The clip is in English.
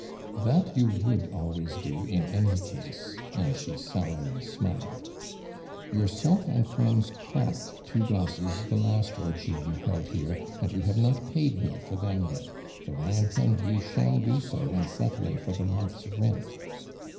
"That you would always do in any case," and she sourly smiled. " Yourself and friends cracked two glasses the last orgy you held here, and you have not paid me for them yet, though I intend you shall do 60 when settling for the month's rent."